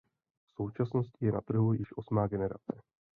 V současnosti je na trhu již osmá generace.